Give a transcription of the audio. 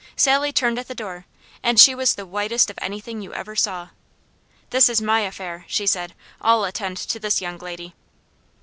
Sally turned at the door and she was the whitest of anything you ever saw. "This is my affair," she said. "I'll attend to this young lady."